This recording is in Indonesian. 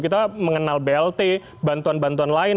kita mengenal blt bantuan bantuan lain